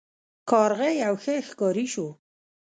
کارغه یو ښه ښکاري شو.